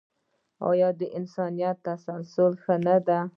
دا د انسانیت د تسلسل نښه ده.